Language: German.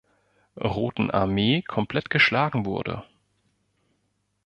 Roten Armee komplett geschlagen wurde.